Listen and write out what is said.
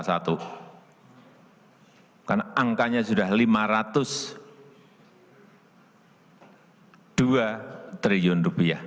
karena angkanya sudah rp lima ratus dua triliun